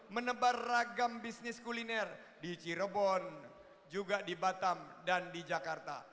menebar ragam bisnis kuliner di cirebon batam dan jakarta